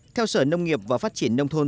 theo sở nông nghiệp và phát triển nông thôn